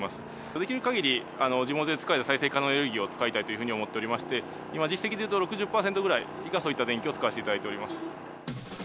できる限り、地元で作られる再生可能エネルギーを使いたいと思っていまして、今実績でいうと６０％ぐらい、そういった電気を使わせていただいております。